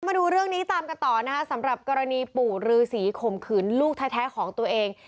มาดูเรื่องนี้ตามกันต่อนะคะสำหรับกรณีปู่ฤษีข่มขืนลูกแท้ของตัวเอง